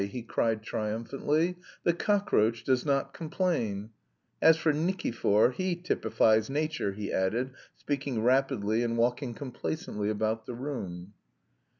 he cried triumphantly. "'The cockroach does not complain.' As for Nikifor he typifies nature," he added, speaking rapidly and walking complacently about the room.